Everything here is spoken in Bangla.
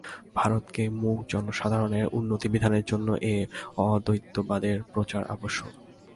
ভারতের মূক জনসাধারণের উন্নতিবিধানের জন্য এই অদ্বৈতবাদের প্রচার আবশ্যক।